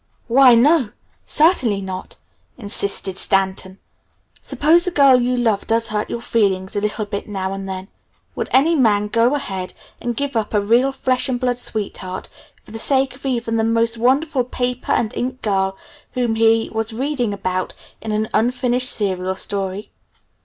"Why, no! Certainly not!" insisted Stanton. "Suppose the girl you love does hurt your feelings a little bit now and then, would any man go ahead and give up a real flesh and blood sweetheart for the sake of even the most wonderful paper and ink girl whom he was reading about in an unfinished serial story?